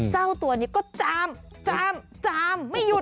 เจ้าตัวนี้ก็จามจามไม่หยุด